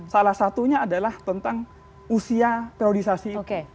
salah satunya adalah tentang usia periodisasi